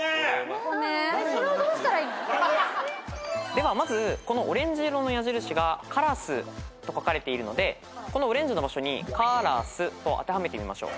ではまずこのオレンジ色の矢印がからすと描かれているのでこのオレンジの場所に「からす」と当てはめてみましょう。